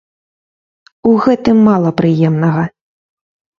У гэтым мала прыемнага.